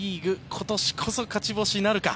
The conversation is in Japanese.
今年こそ勝ち星なるか。